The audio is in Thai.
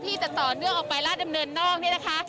ที่จะต่อเนื่องออกไปราชดำเนินนอกนี่นะคะ